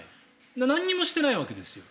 何もしてないわけですよ